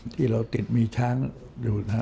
ที่เราติดมีช้างอยู่นะฮะ